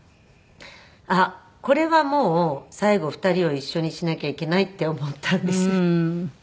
あっこれはもう最後２人を一緒にしなきゃいけないって思ったんです。